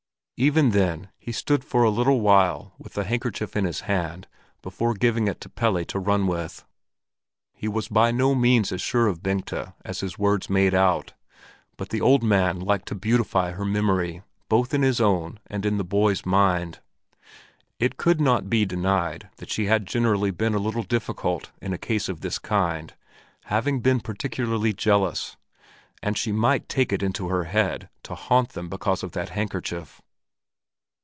Even then he stood for a little while with the handkerchief in his hand before giving it to Pelle to run with. He was by no means as sure of Bengta as his words made out; but the old man liked to beautify her memory, both in his own and in the boy's mind. It could not be denied that she had generally been a little difficult in a case of this kind, having been particularly jealous; and she might take it into her head to haunt them because of that handkerchief.